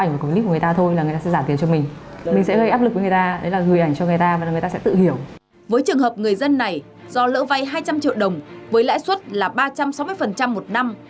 với trường hợp người dân này do lỡ vay hai trăm linh triệu đồng với lãi suất là ba trăm sáu mươi một năm